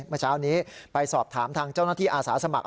เมื่อเช้านี้ไปสอบถามทางเจ้าหน้าที่อาสาสมัคร